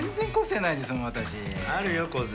あるよ個性。